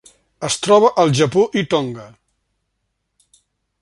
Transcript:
Es troba al Japó i Tonga.